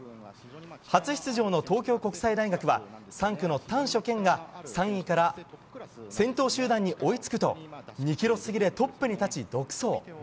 初出場の東京国際大学は３区の丹所健が３位から先頭集団に追いつくと２ｋｍ過ぎでトップに立ち独走。